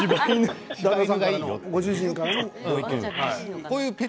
ご主人からのご意見ね。